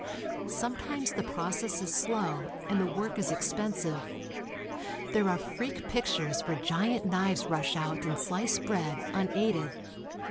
Sometimes the process is slow and the work is expensive. There are freak pic tures where giant knives rush out and slice bread, unaided.